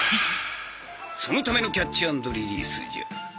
そのためのキャッチアンドリリースじゃ。